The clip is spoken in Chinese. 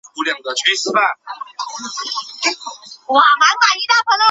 张五常毕业于美国加利福尼亚大学洛杉矶分校经济学系。